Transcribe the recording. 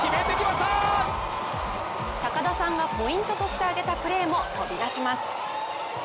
高田さんがポイントとして挙げたプレーも飛び出します。